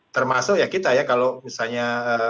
termasuk ya kita ya kalau misalnya